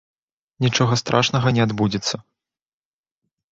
Нічога страшнага не адбудзецца.